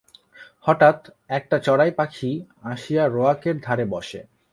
হঠাৎ একটা চড়াই পাখী আসিয়া রোয়াকের ধারে বসে।